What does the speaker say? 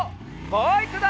バイクだ！